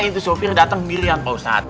itu supir dateng dirian pak ustaz